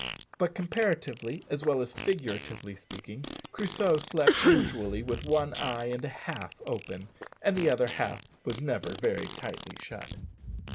But, comparatively as well as figuratively speaking, Crusoe slept usually with one eye and a half open, and the other half was never very tightly shut.